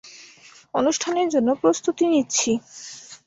অনুষ্ঠানের জন্য প্রস্তুতি নিচ্ছি।